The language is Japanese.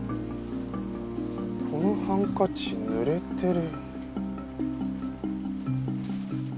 このハンカチ濡れてる。